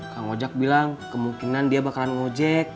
kak ojak bilang kemungkinan dia bakalan ngojek